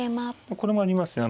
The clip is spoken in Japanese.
これもありますね。